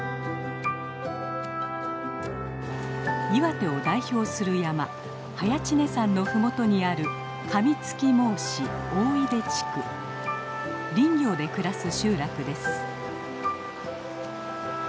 岩手を代表する山早池峰山の麓にある林業で暮らす集落です。